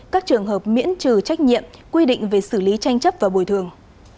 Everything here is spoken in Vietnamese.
các trường hợp miễn trừ trách nhiệm quy định về xử lý tranh chấp và bồi thường